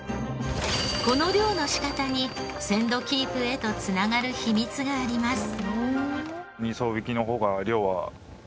この漁の仕方に鮮度キープへと繋がる秘密があります。